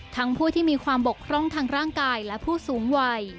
ผู้ที่มีความบกพร่องทางร่างกายและผู้สูงวัย